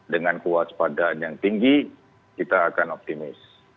dengan kewaspadaan yang tinggi kita akan optimis